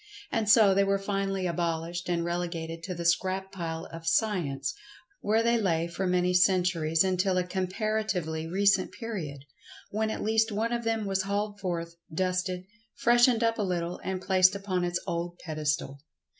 And so they were finally abol[Pg 97]ished and relegated to the scrap pile of Science, where they lay for many centuries until a comparatively recent period, when at least one of them was hauled forth, dusted, freshened up a little, and placed upon its old pedestal.